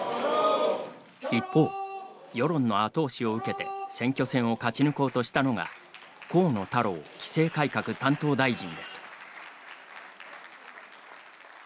一方、世論の後押しを受けて選挙戦を勝ち抜こうとしたのが河野太郎規制改革担当大臣です。